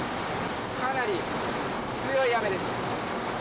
かなり強い雨です。